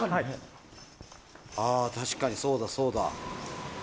確かに、そうだそうだ。